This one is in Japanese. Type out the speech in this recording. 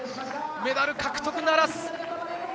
メダル獲得ならず。